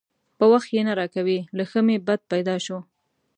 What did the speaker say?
په وخت یې نه راکوي؛ له ښه مې بد پیدا شو.